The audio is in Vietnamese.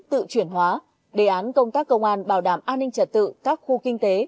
tự chuyển hóa đề án công tác công an bảo đảm an ninh trật tự các khu kinh tế